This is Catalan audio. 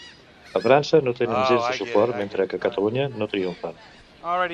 A França no tenen gens de suport, mentre que a Catalunya no triomfen.